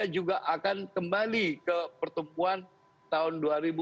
dua ribu dua puluh tiga juga akan kembali ke pertumbuhan tahun dua ribu empat belas dua ribu empat belas